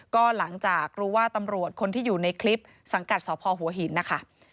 ก็หลังจากรู้ว่าตำรวจคนที่อยู่ในคลิปสังกัดสพหัวหินนะคะ